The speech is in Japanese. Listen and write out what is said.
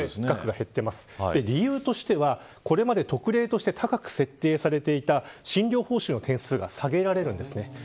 理由としては、これまで特例として高く設定されていた診療報酬の点数が下げられます。